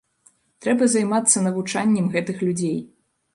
Трэба займацца навучаннем гэтых людзей.